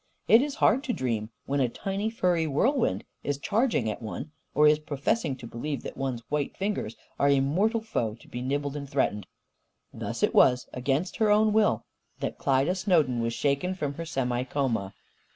It is hard to dream, when a tiny furry whirlwind is charging at one or is professing to believe that one's white fingers are a mortal foe to be nibbled and threatened. Thus it was, against her own will, that Klyda Snowden was shaken from her semi coma.